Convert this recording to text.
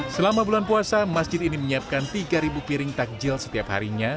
selama bulan puasa masjid ini menyiapkan tiga piring takjil setiap harinya